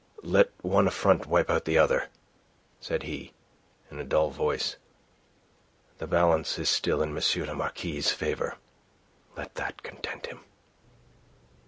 "Let one affront wipe out the other," said he, in a dull voice. "The balance is still in M. le Marquis's favour. Let that content him."